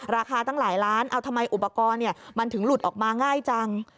ราคาตั้งหลายล้านเอาทำไมอุปกรณ์มันถึงหลุดออกมาง่ายจัง